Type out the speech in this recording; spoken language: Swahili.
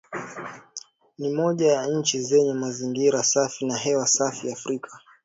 Ni moja ya nchi zenye mazingira safi na hewa safi Afrika